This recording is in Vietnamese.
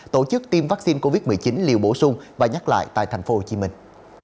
tổ chức tiêm vaccine covid một mươi chín liều bổ sung và nhắc lại tại thành phố hồ chí minh